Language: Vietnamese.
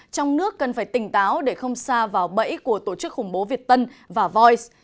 trong nước cần phải tỉnh táo để không xa vào bẫy của tổ chức khủng bố việt tân và voice